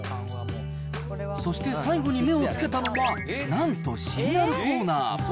そして最後に目をつけたのは、なんとシリアルコーナー。